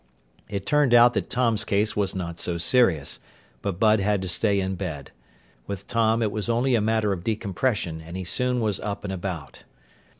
It turned out that Tom's case was not so serious, but Bud had to stay in bed. With Tom, it was only a matter of decompression and he soon was up and about.